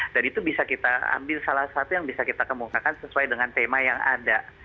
dan itu bisa kita ambil salah satu yang bisa kita kemungkakan sesuai dengan tema yang ada